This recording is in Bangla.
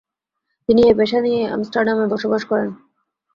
তিনি এই পেশা নিয়েই আমস্টারডামে বসবাস করেন।